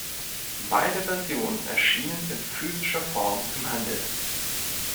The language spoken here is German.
Beide Versionen erschienen in physischer Form im Handel.